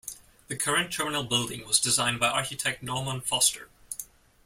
The current terminal building was designed by architect Norman Foster.